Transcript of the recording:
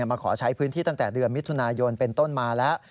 มาขอใช้พื้นที่ตั้งแต่เดือนมิถุนายนเป็นต้นมาแล้ว